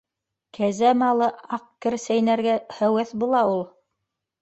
Кәзә малы аҡ кер сәйнәргә һәүәҫ була ул.